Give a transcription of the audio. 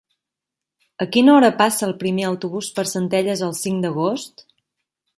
A quina hora passa el primer autobús per Centelles el cinc d'agost?